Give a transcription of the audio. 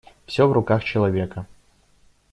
Всё в руках человека.